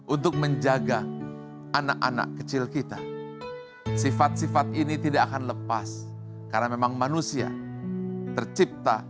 untuk menjaga anak anak kecil kita sifat sifat ini tidak akan lepas karena memang manusia tercipta